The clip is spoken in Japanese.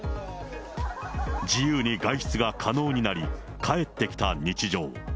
自由に外出が可能になり、帰ってきた日常。